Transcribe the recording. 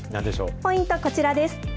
ポイント、こちらです。